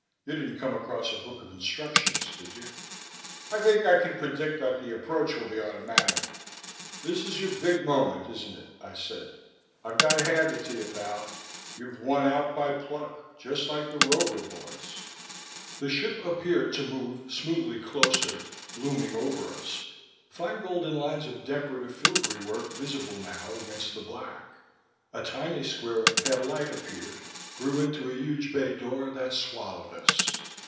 You didn't come across a book of instructions, did you?" "I think I can predict that the approach will be automatic." "This is your big moment, isn't it?" I said. "I've got to hand it to you, pal; you've won out by pluck, just like the Rover Boys." The ship appeared to move smoothly closer, looming over us, fine golden lines of decorative filigree work visible now against the black. A tiny square of pale light appeared, grew into a huge bay door that swallowed us.